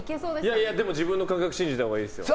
いやいや、自分の感覚を信じたほうがいいですよ。